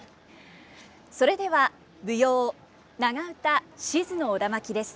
それでは舞踊長唄「賤の苧環」です。